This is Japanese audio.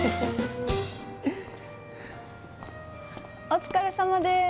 お疲れさまです。